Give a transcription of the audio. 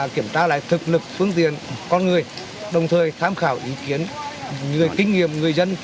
kiểm tra lại thực lực phương tiện con người đồng thời tham khảo ý kiến người kinh nghiệm người dân